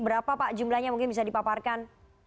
berapa pak jumlahnya mungkin bisa dipaparkan